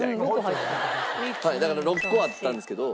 だから６個あったんですけど。